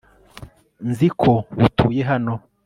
nzi ko utuye hano